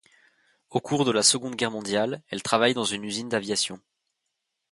Au cours de la Seconde Guerre mondiale, elle travaille dans une usine d'aviation.